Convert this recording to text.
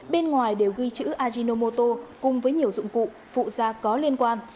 bên ngoài đều ghi chữ ajinomoto cùng với nhiều dụng cụ phụ gia có liên quan